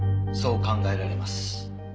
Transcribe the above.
そう考えられます。